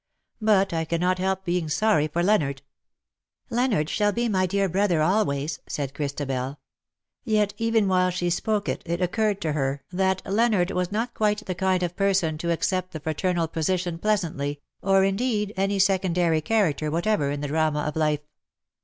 But I cannot help being sorry for Leonard." " Leonard shall be my dear brother, always,^^ said Christabel; yet even while she spoke it occurred to VOL. I. K 130 '^ THE SILVER ANSWER RANG^ lier that Leonard was not quite the kind of person 10 accept the fraternal position pleasantly^ or, indeed, any secondary character whatever in the drama of life.